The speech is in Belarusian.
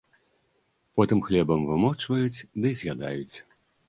Потым хлебам вымочваюць ды з'ядаюць.